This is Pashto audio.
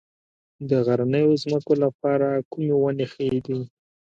د غرنیو ځمکو لپاره کومې ونې ښې دي؟